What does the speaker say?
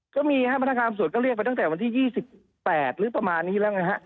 ก็มีฮะพนักงานส่วนก็เรียกไปตั้งแต่วันที่๒๘หรือประมาณนี้แล้วไงฮะ